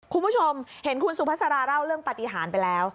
คุณผู้ชมเห็นคุณสุภาษาราเล่าเรื่องปฏิหารไปแล้ว